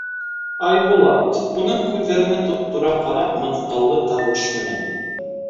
Айбулат, уның күҙҙәренә туп-тура ҡарап, мыҫҡыллы тауыш менән: